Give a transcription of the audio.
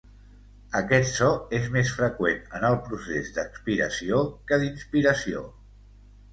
Aquest so és més freqüent en el procés d'expiració que d'inspiració.